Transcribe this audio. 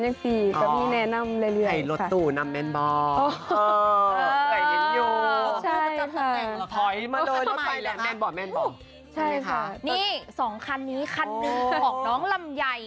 นี่สองคันนี้คันหนึ่งของน้องลำไย